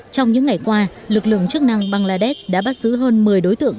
trong những ngày qua lực lượng chức năng bangladesh đã bắt giữ hơn một mươi đối tượng